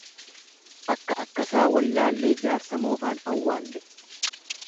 Akka akkasaa wallaallee jaarsa mofaan awwaalle.